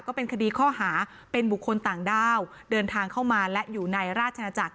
ก็เป็นคดีข้อหาเป็นบุคคลต่างด้าวเดินทางเข้ามาและอยู่ในราชนาจักร